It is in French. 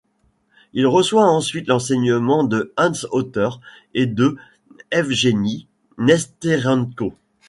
Il reçoit ensuite l'enseignement de Hans Hotter et de Yevgeny Nesterenko.